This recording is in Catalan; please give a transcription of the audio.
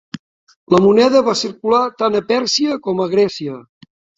La moneda va circular tant a Pèrsia com a Grècia.